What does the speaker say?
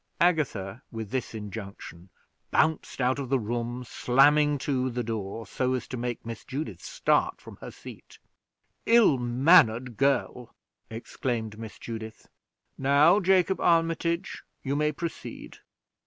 Agatha, with this injunction, bounced out of the room, slamming to the door so as to make Miss Judith start from her seat. "Ill mannered girl!" exclaimed Miss Judith. "Now, Jacob Armitage, you may proceed."